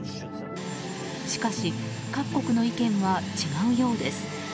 しかし各国の意見は違うようです。